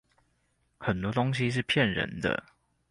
很多東西是騙人的